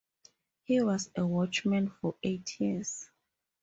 He was a watchman for eight years.